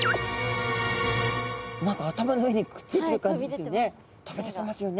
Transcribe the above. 何か頭の上にくっついてる感じですよね。